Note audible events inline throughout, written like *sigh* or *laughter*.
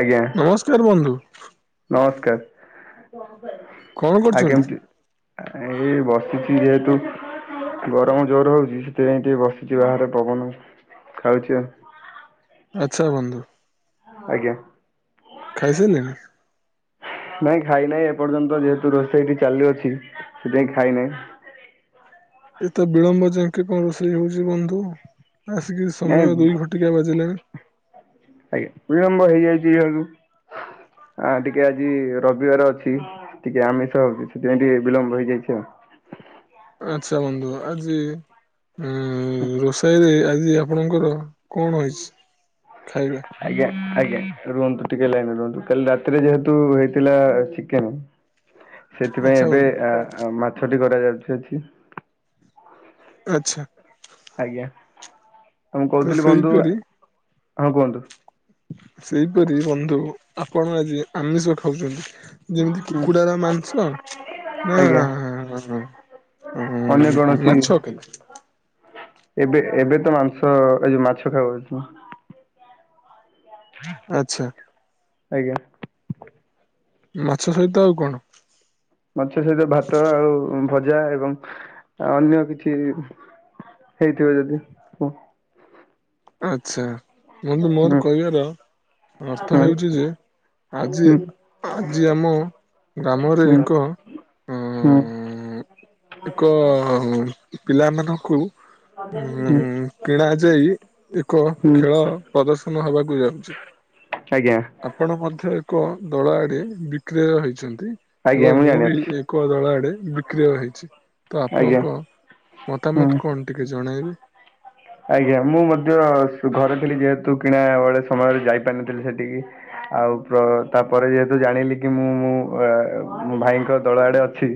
ଆଜ୍ଞା ନମସ୍କାର ବନ୍ଧୁ। ନମସ୍କାର କଣ କରୁଛନ୍ତି? *unintelligible* ଆ ଏଇ ବସିଛି ଯେହେତୁ ଗରମ ଜୋର ହଉଛି ସେଥିପାଇଁ ଟିକେ ବସିଛି ବାହାରେ। ପବନ ଖାଉଛି ଆଉ ଆଚ୍ଛା ବନ୍ଧୁ। ଆଜ୍ଞା ଖାଇ ସାରିଲେଣି? ନାଇଁ ଖାଇ ନାହିଁ ଏପର୍ଯ୍ୟନ୍ତ ଯେହେତୁ ରୋଷେଇଠି ଚାଲୁଅଛି ସେଥିପାଇଁ ଖାଇ ନାହିଁ। ଏତେ ବିଳମ୍ବ ଯାକେ କଣ ରୋଷେଇ ହଉଛି ବନ୍ଧୁ? ଆସିକି ନାଇଁ ସମୟ ଦୁଇ ଘଟିକା ବାଜିଲାଣି? ଆଜ୍ଞା ବିଳମ୍ବ ହେଇଯାଇଛି ଆ ଟିକେ ଆଜି ରବିବାର ଅଛି। ଟିକେ ଆମିଷ ହଉଛି ସେଥିପାଇଁ ଟିକେ ବିଳମ୍ବ ହେଇଯାଇଛି ଆଉ। ଆଚ୍ଛା ବନ୍ଧୁ ଆଜି ରୋଷେଇରେ ଆଜି ଆପଣଙ୍କର କଣ ହେଇଚି ଖାଇବା? ଆଜ୍ଞା ଆଜ୍ଞା ରୁହନ୍ତୁ ଟିକେ ଲାଇନରେ ରୁହନ୍ତୁ। କାଲି ରାତିରେ ଯେହେତୁ ହେଇଥିଲା ଚିକେନ ସେଥିପାଇଁ ଆଚ୍ଛା ଏବେ ବନ୍ଧୁ ଆ ଆ ମାଛଟି କରାଯାଉଛି ଅଛି। ଆଚ୍ଛା ଆଜ୍ଞା ମୁଁ ତ କହୁଥିଲି ବନ୍ଧୁ ସେଇପରି ହଁ କୁହନ୍ତୁ। ସେଇପରି ବନ୍ଧୁ ଆପଣ ଆଜି ଆମିଷ ଖାଉଛନ୍ତି। ଯେମିତି ହୁଁ କୁକୁଡାର ମାଂସ ନା ଆଜ୍ଞା ଅନ୍ୟ କଣ ହଁ ଅଛି ମାଛ କେମିତି? ଏବେ ଏବେ ତ ମାଂସ ଏ ଯୋଉ ମାଛ ଖାଉ ଅଛୁ। *inaudible* ଆଚ୍ଛା। ଆଜ୍ଞା। ମାଛ ସହିତ ଆଉ କଣ? ମାଛ ସହିତ ଭାତ ଆଉ ଭଜା ଏବଂ ଅନ୍ୟ କିଛି ହେଇଥିବ ଯଦି ହୁଁ ଆଛା ବନ୍ଧୁ ମୋର ହୁଁ କହିବାର ହୁଁ ଅର୍ଥ ହୁଁ ହେଉଛି ଯେ ଆଜି ଆଜି ଆମ ଗ୍ରାମରେ ହୁଁ ଏକ ହୁଁ ଅଁ ଏକ ପିଲାମାନଙ୍କୁ ଉ ହୁଁ କିଣା ଯାଇ ଏକ ହୁଁ ଖେଳ ପ୍ରଦର୍ଶନ ହେବାକୁ ଯାଉଛି। ଆଜ୍ଞା। ଆପଣ ମଧ୍ୟ ଏକ ଦଳ ଆଡେ ବିକ୍ରୟ ହେଇଛନ୍ତି। ଆଜ୍ଞା ଏବଂ ମୁଁ ବି ଜାଣିଅଛି ଏକ ଦଳ ଆଡେ ବିକ୍ରିୟ ହେଇଛି। ତ ଆଜ୍ଞା ଆପଣଙ୍କ ହୁଁ ମତାମତ କଣ ଟିକେ ଜଣାଇବେ? ଆଜ୍ଞା ମୁଁ ମଧ୍ୟ ସ ଘରେ ଥିଲି ଯେହେତୁ କିଣା ବେଳେ ସମୟରେ ଯାଇପାରିନଥିଲି ସେଠିକି। ଆଉ ତାପରେ ଯେହେତୁ ଜାଣିଲି କି ମୁଁ ମୁଁ ମୋ ଭାଇଙ୍କ ଦଳ ଆଡେ ଅଛି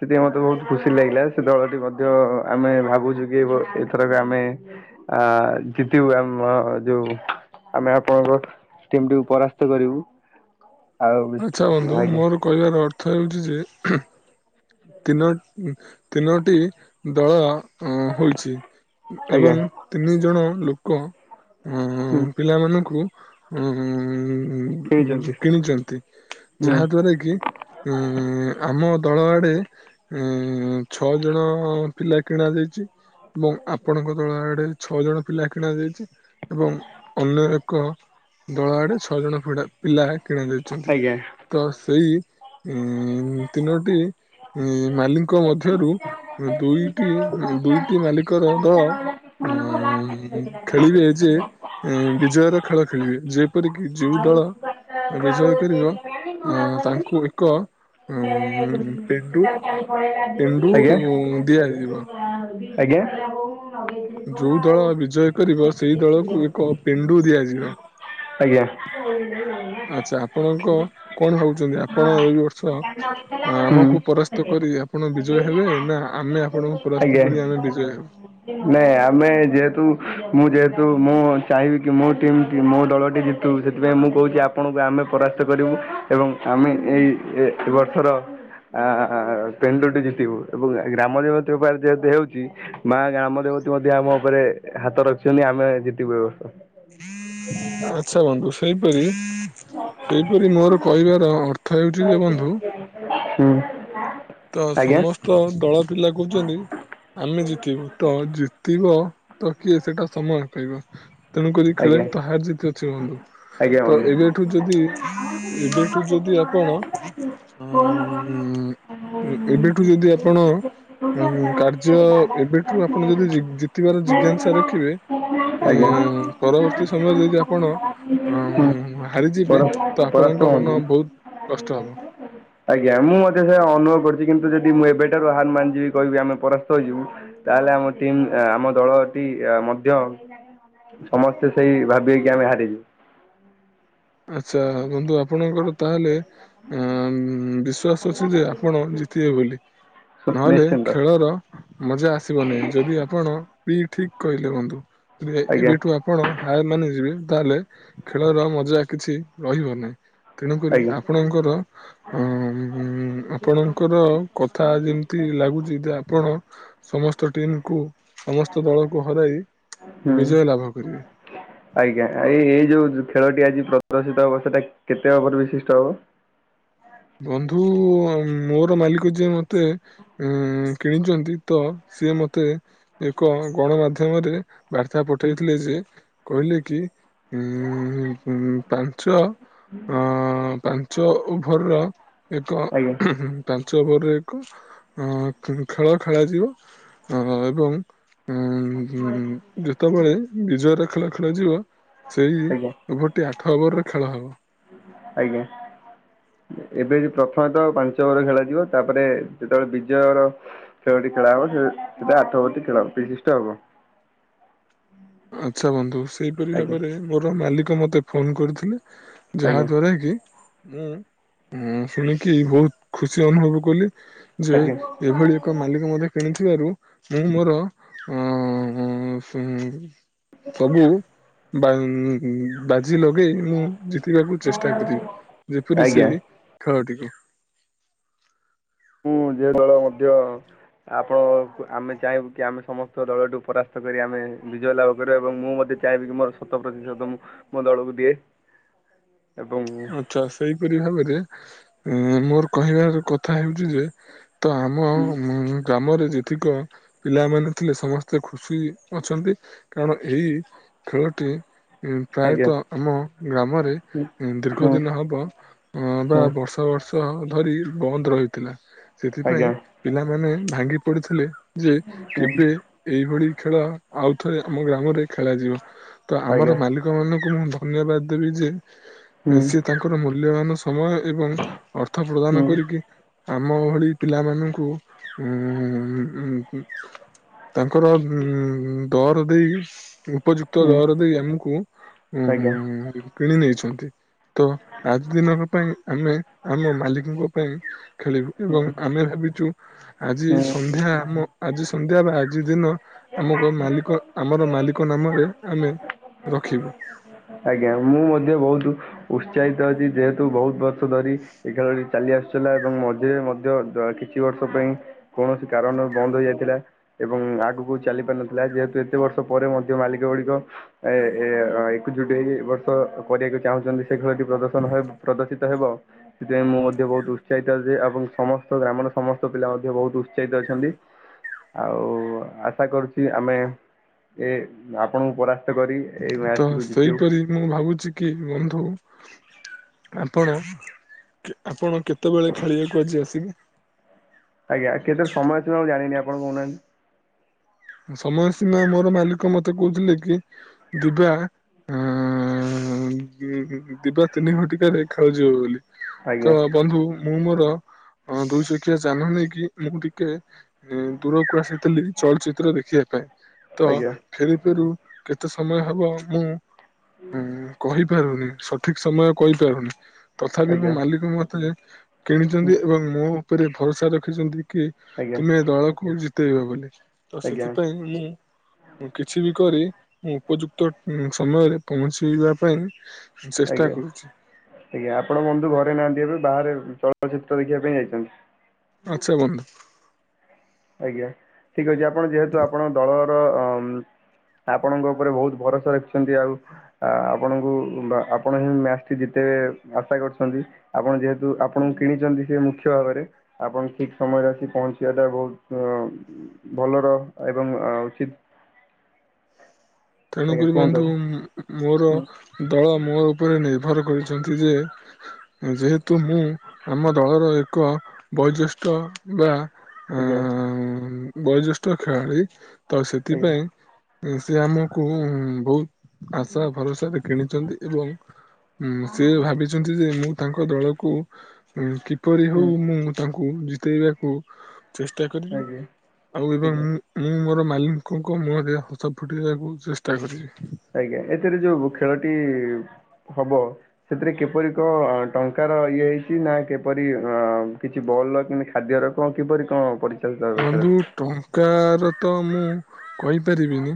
ସେଥିି ମତେ ବହୁତ ଖୁସି ଲାଗିଲା ସେ ଦଳଟି ମଧ୍ୟ ଆମେ ଭାବୁଛୁ କି ମ୍ ଏଥରକ ଆମେ ଆ ଜିତିବୁ ଆମ ଯୋଉ ଆମେ ଆପଣଙ୍କ ଟିମଟିକୁ ପରାସ୍ତ କରିବୁ ଆଉ ବି ଆଚ୍ଛା ବନ୍ଧୁ ଆଜ୍ଞା। ମୋର କହିବାର ଅର୍ଥ ହେଉଛି ଯେ ତିନୋ ତିନୋଟି ଦଳ ଅ ହୋଇଛି ଆଜ୍ଞା ଏବଂ ତିନି ଜଣ ଲୋକ ହୁଁ ଉ ପିଲାମାନଙ୍କୁ କିଣିଛନ୍ତି ଉ କିଣିଛନ୍ତି? ହୁଁ ଯାହା ଦ୍ଵାରା କି ଉଁ ଆମ ଦଳ ଆଡେ ଉଁ ଛଅ ଜଣ ପିଲା କିଣା ଯାଇଛି? ଏବଂ ଆପଣଙ୍କ ଦଳ ଆଡେ ଛଅ ଜଣ ପିଲା କିଣା ଯାଇଛି ଏବଂ ଅନ୍ୟ ଏକ ଦଳ ଆଡେ ଛଅ ଜଣ ପିଲା କିଣାଯାଇଛନ୍ତି। ଆଜ୍ଞା ତ ସେଇ ଇ ତିନୋଟି ଏ ମାଲଙ୍କ ମଧ୍ୟରୁ ଦୁଇଟି ଦୁଇଟି ମାଲିକର ଦଳ ଉଁ ଖଳିବେ ଯେ ଅ ବିଜୟର ଖେଳ ଖେଳିବେ ଯେପରିକି ଯୋଉ ଦଳ ଆ କୁ ଆଉ ହେଇ ପାରିବ ଅ ତାଙ୍କୁ ଏକ ଉଁ ପେଟୁ ପେଣ୍ଡୁ ଦିଆଯିବ। ଆଜ୍ଞା। ଯୋଉ ଦଳ ବିଜୟ କରିବ ସେଇ ଦଳକୁ ଏକ ପେଣ୍ଡୁ ଦିଆଯିବ। ଆଜ୍ଞା। ଆଛା ଆପଣଙ୍କ କଣ ଭାବୁଛନ୍ତି ଆପଣ ଏଇ ବର୍ଷ ଆମକୁ ପରାସ୍ ସ୍ତ କରି ଆପଣ ବିଜୟ ହେବେ ନା ଆମେ ଆପଣଙ୍କୁ ପରାସ୍ତ ଆଜ୍ଞା। କରି ଆମେ ବିଜୟ ହେବୁ? ନାଇଁ ଆମେ ଯେହେତୁ ମୁଁ ଯେହେତୁ ମୁଁ ଚାହିଁବି କି ମୋ ଟିମ ମୋ ଦଳଟି ଜି ତୁ ସେଥିପାଇଁ ମୁଁ କହୁଛି ଆପଣଙ୍କୁ ଆମେ ପରାସ୍ତ କରିବୁ ଏବଂ ଆମେ ଏଇ ଏଇ ବର୍ଷର ଆ ପେଣ୍ଡୁଟି ଜିତିବୁ ଏବଂ ଗ୍ରାମ ଦେବତୀଙ୍କ ପାଖରେ ଯେହେତୁ ହଉଛି ମା ଗ୍ରାମ ଦେବତୀ ମଧ୍ୟ ଆମ ଉପରେ ହାତ ରଖିଛନ୍ତି ଆମେ ଜିତିବୁ ଏ ବର୍ଷ। ଆଛା ବନ୍ଧୁ ସେପରି ସେହିପରି ମୋର କହିବାର ଅର୍ଥ ହେଉଛି ଯେ ବନ୍ଧୁ ହୁଁ। ତ ଆଜ୍ଞା ସମସ୍ତ ଦଳ ପିଲା କହୁଛନ୍ତି ଆମେ ଜିତିବୁ, ତ ଜିତିବ ତ କିଏ ସେଇଟା ସମୟ କହିବ। ତେଣୁକରି ଆଜ୍ଞା ଖେଳରେ ତ ହାର ଜିତି ଅଛି ବନ୍ଧୁ। ଆଜ୍ଞା ତ ବନ୍ଧୁ। ଏବେଠୁ ଯଦି ଏବେଠୁ ଯଦି ଆପ କଣ ଅମ ଏବେଠୁ ଯଦି ଆପଣ। କାର୍ଯ୍ୟ, ଏବେଠୁ ଆପଣ ଯଦି ଜି ଜିତିବାର ଜିଜ୍ଞାସା ରଖିବେ ଆଜ୍ଞା *inaudible* *inaudible* ଉଁ ପରବର୍ତ୍ତୀ ସମୟରେ ଯଦି ଆପଣ ଅଁ ହାରିଯିବେ ତ ଆପଣଙ୍କ ମନ ବହୁତ କଷ୍ଟ ହବ। ଆଜ୍ଞା ମୁଁ ମଧ୍ୟ ସେଆ ଅନୁଭବ କରଛି। କିନ୍ତୁ ଯଦି ମୁଁ ଏବେଠାରୁ ଆହାନମାନ ଯିବି କହିବି ଆମେ ପରାସ୍ତ ହୋଇଯିବୁ ତାହେଲେ ଆମ ଟିମ୍ ଆମ ଦଳଟି ମଧ୍ୟ *inaudible* ସମସ୍ତେ ସେଇ ଭାବି ହେଇକି ଆମେ ହାରିଯିବୁ। ଆଛା ବନ୍ଧୁ ଆପଣଙ୍କର ତାହେଲେ ବିଶ୍ଵାସ ଶ୍ୱାସ ଆପଣ ଜିତିବେ ବୋଲି ନହେଲେ ନିଶ୍ଚିନ୍ତ ଖେଳ ଳର ମଜା ଆସିବ ନାହିଁ। ଯଦି ଆପଣ ପିଇ ଠିକ କହିଲେ ବନ୍ଧୁ ଆଜ୍ଞା ଏବେଠୁ ଆ ଆପଣ ହାର ମାନିଯିବେ ତାହେଲେ ଖେଳର ମଜା କିଛି ରହିବ ନାହିଁ। ତେଣୁକରି ଆଜ୍ଞା ଆପଣଙ୍କର ଅମ ଆପଣଙ୍କର କଥା ଯେମିତି ଲାଗୁଛି ଯେ ଆପଣ ସମସ୍ତ ଟିମ୍ କୁ ସମସ୍ତ ଦଳକୁ ହରାଇ ହୁଁ ବିଜୟ ଲାଭ କରିବେ। ଆଜ୍ଞା ଏ ଏଇ ଯୋଉ ଖେଳ ଟି ଆଜି ପ୍ରଦର୍ଶିତ ହବ ସେଟା କେତେ ଓଭର ବିଶିଷ୍ଟ ହବ? ବନ୍ଧୁ ମୋର ମାଲିକ ଯିଏ ମତେ ଉଁ କିଣିଛନ୍ତି ତ ସିଏ ମତେ ଏକ ଗଣମାଧ୍ୟମରେ ବାର୍ତ୍ତା ପଠାଇଥିଲେ ଯେ କହିଲେ କି ଉଁ-ଉଁ ପାଞ୍ଚ ଅ ପାଞ୍ଚ ଓଭର ର ଏକ ଆଜ୍ଞା ଉଁହୁଁ ପାଞ୍ଚ ଓଭରର ଏକ ଅଂ ଖେଳ ଖେଳାଯିବ ଅଂ ଏବଂ ଉଁ ଯେତେବେଳେ ବିଜୟର ଖେଳ ଖେଳାଯିବ ସେଇ ଆଜ୍ଞା ଓଭରଟି ଆଠ ଓଭରରେ ଖେଳ ହବ। ଆଜ୍ଞା ଏବେ ପ୍ରଥମେ ତ ପାଞ୍ଚ ଓଭର ଖେଳାଯିବ ତାପରେ ଯେତେବେଳେ ବିଜୟର ଖେଳଟି ଖେଳା ହେବ ସେ ସେ ଆଠ ଓଭର ଟି ଖେଳ ବିଶିଷ୍ଟ ହେବ। ଆଚ୍ଛା ବନ୍ଧୁ ସେହିପରି ଆଜ୍ଞା ଭାବରେ ମୋର ମାଲିକ ମୋତେ ଫୋନ୍ କରିଥିଲେ। ଯାହା ଆଜ୍ଞା ଦ୍ବାରା କି ମୁଁ ହଁ ଶୁଣିକି ବହୁତ ଖୁସି ଅନୁଭବ କଲି ଯେ ଆଜ୍ଞା ଏଭଳି ଏକ ମାଲିକ ମଧ୍ୟ କିଣିଥିବାରୁ ମୁଁ ମୋର ଅଂ-ଅଂ ସବୁ ବା ବାଜି ଲଗେଇ ମୁଁ ଜିତିବାକୁ ଚେଷ୍ଟା କରିବି। ଯେପରି ସେ ଆଜ୍ଞା ଖେଳଟିକୁ ମୁଁ ଯେ ଦଳ ମଧ୍ୟ ଆପଣ ଆମେ ଚାହିଁବୁ କି ଆମେ ସମସ୍ତ ଦଳଠୁ ପରାସ୍ତ କରି ଆମେ ବିଜୟ ଲାଭ କରିବୁ ଏବଂ ମୁଁ ମଧ୍ୟ ଚାହିବ କିି ମୋର ଶତ ପ୍ରତିଶତ ମୁଁ ମୋ ଦଳକୁ ଦିଏ। ଏବଂ ଆଚ୍ଛା ସେଇପରି ଭାବରେ ମୋର କହିବାର କଥା ହଉଛି ଯେ ତ ଆମ ଗ୍ରାମରେ ଯେତିକ ପିଲାମାନେ ଥିଲେ ସମସ୍ତେ ଖୁସି ଅଛନ୍ତି କାରଣ ଏଇ ଖେଳଟି ଆଜ୍ଞା ପ୍ରାୟତଃ ଆମ ଗ୍ରାମରେ ହୁଁ ଦୀର୍ଘ ହୁଁ ଦିନ ହବ ବା ହୁଁ ବର୍ଷ ବର୍ଷ ଧରି ବନ୍ଦ ରହିଥିଲା। ସେଥିପାଇଁ ଆଜ୍ଞା ପିଲାମାନେ ଭାଙ୍ଗି ପଡ଼ିଥିଲେ ଯେ ହୁଁ କେବେ ଏଇଭଳି ଖେଳ ଆଉଥରେ ଆମ ଗ୍ରାମରେ ଖେଳାଯିବ। ତ ଆମର ଆଜ୍ଞା ମାଲି କ ମାନଙ୍କୁ ମୁଁ ଧନ୍ୟବାଦ ଦେବି ଯେ ହୁଁ ସେ ତାଙ୍କ ହୁଁ ଙ୍କର ମୂଲ୍ୟବାନ ସମୟ ଏବଂ ଅର୍ଥ ପ୍ରଦାନ କରିକି ଆମ ଭଳି ପିଲାମାନଙ୍କୁ ତାଙ୍କର ଉ ଦର ଦେଇ ଉପଯୁକ୍ତ ଉତ ଦର ଦେଇ ଆମକୁ ଉ ହୁଁ ଆଜ୍ଞା କିଣି ନେଇଛନ୍ତି ତ ଆଜି ଦିନକ ପାଇଁ ଆମେ ଆମ ମାଲିକଙ୍କ ପାଇଁ ଖେଳିବୁ ଏବଂ ହୁଁ ଆମେ ଭାବିଛୁ ଆଜି ହୁଁ ସନ୍ଧ୍ୟା ଆମ ଆଜି ସନ୍ଧ୍ୟା ବା ଆଜି ଦିନ ଆମକୁ ମାଲିକ ଆମର ମାଲିକ ନାମରେ ଆମେ ରଖିବୁ ଆଜ୍ଞା ମୁଁ ମଧ୍ୟ ବହୁତୁ ଉତ୍ସାହିତ ଅଛି ଯେହେତୁ ବହୁତ ବର୍ଷ ଧରି ଏ ଖେଳଟି ଚାଲି ଆସୁଥିଲା ଏବଂ ରେ ମଧ୍ୟ କିଛି ବର୍ଷ ପାଇଁ କୌଣସି କାରଣରୁ ବନ୍ଦ ହୋଇଯାଇଥିଲା ଏବଂ ଆଗକୁ ଚାଲି ପାରିନଥିଲା ଯେହେତୁ ଏତେ ବର୍ଷ ପରେ ମଧ୍ୟ ମାଲିକ ଗୁଡିକ ଏ ଏ ଏକଜୁଟ ହେଇକି ବର୍ଷ କରିବାକୁ ଚାହୁଁଛନ୍ତି ସେ ଖେଳଟି ପ୍ରଦର୍ଶନ ପ୍ରଦର୍ଶିତ ହେବ ସେଥିପାଇଁ ମୁଁ ମଧ୍ୟ ବହୁତ ଉତ୍ସାହିତ ଏ ଏବଂ ସମସ୍ତ ଗ୍ରାମର ସମସ୍ତ ପିଲା ମଧ୍ୟ ବହୁତ ଉତ୍ସାହିତ ଅଛନ୍ତି ଆଉ ଆଶା କରୁଛି ଆମେ ଏ ଆପଣଙ୍କୁ ପରା କରି ଏଇ ତ ମ୍ୟାଚଟିକୁ ଜିତିବୁ ସେହିପରି ମୁଁ ଭାବୁଛି କି ବନ୍ଧୁ ଆପଣ ଆପଣ କେତେବେଳେ ଖେଳିବାକୁ ଆଜି ଆସିବେ? ଆଜ୍ଞା କେତେ ସମୟ ଥିବ ମୁଁ ଜାଣିନି ଆପଣ କହୁନାହାନ୍ତି ସମୟ ସୀମା ମୋର ମାଲିକ ମୋତେ କହୁଥିଲେ କି ଦିବା- ହଁ ଦିବା ତିନି ଘଟିକାରେ ଖେଳା ଯିବ ବୋଲି ଆଜ୍ଞା ତ ବନ୍ଧୁ ମୁଁ ମୋର ଦୁଇ ଚକିଆ ଯାନ ନେଇକି ମୁଁ ଟିକେ ଦୂରକୁ ଆସିଥିଲି ଚଳଚିତ୍ର ଦେଖିବା ପାଇଁ ତ ଆଜ୍ଞା ଫେରୁ ଫେରୁ କେତେ ସମୟ ହବ ମୁଁ ହୁଁ କହିପାରୁନି ସଠିକ ସମୟ କହିପାରୁନି ତଥାପି ମୋ ଆଜ୍ଞା ମାଲିକ ମୋତେ କିଣିଛନ୍ତି ହୁଁ ଏବଂ ମୋ ଉପରେ ଭରସା ରଖିଛନ୍ତି କି ଆଜ୍ଞା ତମେ ଦଳକୁ ଜିତେଇବ ବୋଲି ତ ଆଜ୍ଞା ସେଥିପାଇଁ ମୁଁ କିଛି ବି କରି ମୁଁ ଉପଯୁକ୍ତ ସମୟରେ ପହଞ୍ଚିବା ପାଇଁ ଚେଷ୍ଟା ଆଜ୍ଞା କରୁଛି ଆଜ୍ଞା ଆପଣ ବନ୍ଧୁ ଘରେ ନାହାନ୍ତି ଏବେ ବାହାରେ ଚଳଚିତ୍ର ଦେଖିବା ପାଇଁ ଯାଇଛନ୍ତି ଆଚ୍ଛା ବନ୍ଧୁ ଆଜ୍ଞା ଠିକ ଅଛି ଆପଣ ଯେହେତୁ ଆପଣ ଦଳର ଆପଣଙ୍କ ଉପରେ ବହୁତ ଭରସା ରଖିଛନ୍ତି ଆଉ ଆ ଆପଣଙ୍କୁ ଆପଣ ସେ ମ୍ୟାଚଟି ଜିତେଇବେ ଆଶା କରିଛନ୍ତି ଆପଣ ଯେହେତୁ ଆପଣଙ୍କୁ କିଣିଛନ୍ତି ସେ ମୁଖ୍ୟ ଭାବରେ ଆପଣ ଠିକ ସମୟରେ ଆସି ପହଞ୍ଚିବାଟା ବହୁତ ବୋଲର ଏବଂ ଉଚିତ ଆଜ୍ଞା ତେଣୁକରି କୁହନ୍ତୁ ବନ୍ଧୁ ମୋର ହୁଁ ଦଳ ମୋ ଉପରେ ନିର୍ଭର କରିଛନ୍ତି ଯେ ଯେହେତୁ ମୁଁ ଆମ ଦଳର ଏକ ବୟୋଜ୍ୟେଷ୍ଠ ବା ଆ ଆଜ୍ଞା ବୟୋଜ୍ୟେଷ୍ଠ ଖେଳାଳି ତ ଆଜ୍ଞା ସେଥିପାଇଁ ସେ ଆମକୁ ବହୁତ ଆଶା ଭରସା ଦେଖେଇ ଦେଇଛନ୍ତି ଏବଂ ହୁଁ ସେ ଭାବିଛନ୍ତି ଯେ ମୁଁ ତାଙ୍କ ଦଳକୁ କିପରି ହଉ ହୁଁ ମୁଁ ତାଙ୍କୁ ଜିତେଇବାକୁ ଚେଷ୍ଟା କରିବି ଆଜ୍ଞା ଆଉ ଏବଂ ଆଜ୍ଞା ମୁଁ ମୁଁ ମୋର ମାଲିକଙ୍କ ମୁହଁରେ ହସ ଫୁଟେଇବାକୁ ଚେଷ୍ଟା କରିବି ଆଜ୍ଞା ଏଥିରେ ଯୋଉ ଖେଳଟି ହବ ସେଥିରେ କିପରି କ ଟଙ୍କାର ଇଏ ହେଇଛି ନା କିପରି ଅ କିଛି ବଲର କିମିତି ଖାଦ୍ୟର କଣ କିପରି କଣ ପଡିଛି ବନ୍ଧୁ ଟଙ୍କାର ତ ମୁଁ କହିପାରିବିନି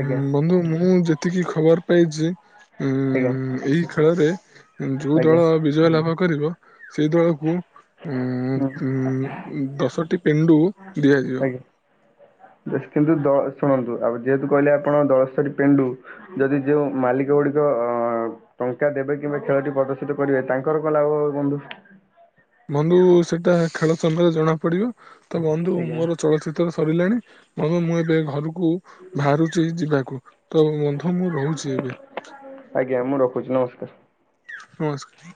ଆଜ୍ଞା ବନ୍ଧୁ ମୁଁ ଯେତିକି ଖବର ପାଇଛି ଉଁ ଆଜ୍ଞା ଏଇ ଖେଳରେ ଯୋଉ ଆଜ୍ଞା ଦଳ ଲାଭ କରିବ ସେଇ ଦଳକୁ ଉ ହୁଁ ଉ ଦଶଟି ପେଣ୍ଡୁ ଦିଆଯିବ ଆଜ୍ଞା ବେଶ କିନ୍ତୁ ଦ ଶୁଣନ୍ତୁ ଆଉ ଯେହେତୁ କହିଲେ ଆପଣ ଦଶଟି ପେଣ୍ଡୁ ଯଦି ଯୋଉ ମାଲିକ ଗୁଡିକ ଅ ଟଙ୍କା ଦେବେ କିମ୍ବା ଖେଳଟି ପ୍ରଦର୍ଶିତ କରିବେ ତାଙ୍କର କଣ ଲାଭ ହବ ବନ୍ଧୁ? ବନ୍ଧୁ ସେଇଟା ଖେଳ ସମୟରେ ଜଣା ପଡିବ ତ ବନ୍ଧୁ ଆଜ୍ଞା ମୋର ଚଳଚି ତ୍ର ସରିଲାଣି ବୁ ମୁଁ ଏବେ ଘରକୁ ବାହାରୁଛି ଯିବାକୁ ତ ବନ୍ଧୁ ମୁଁ ରହୁଛି ଏବେ। ଆଜ୍ଞା ମୁଁ ରଖୁଛି ନମସ୍କାର। ନମସ୍କାର।